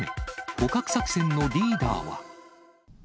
捕獲作戦のリーダーは？